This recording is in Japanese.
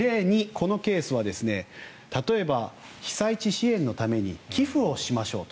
このケースは例えば被災地支援のために寄付をしましょうと。